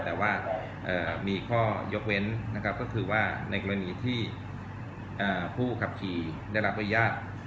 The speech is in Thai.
แต่ว่ามีข้อยกเว้นนะครับก็คือว่าในกรณีที่ผู้ขับขี่ได้รับอนุญาต